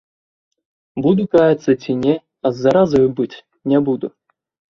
Буду каяцца ці не, а з заразаю быць не буду.